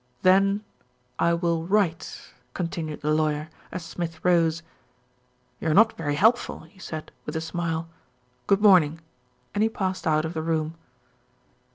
"Then I will write," continued the lawyer, as Smith rose. "You're not very helpful," he said with a smile. "Good morning," and he passed out of the room.